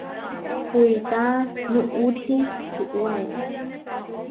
Kuitá nuʼuti čuʼwaé.